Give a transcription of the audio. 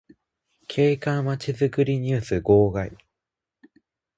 景観まちづくりニュース号外